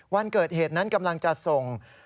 วันเกิดเหตุนั้นกำลังจะส่ง